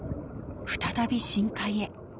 再び深海へ。